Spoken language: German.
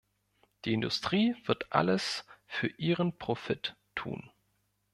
Die Industrie wird alles für ihren Profit tun.